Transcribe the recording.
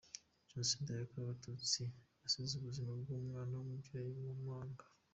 Jenoside yakorewe abatutsi yasize ubuzima bw’umwana n’umubyeyi mu manga.